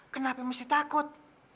kenapa mesti takut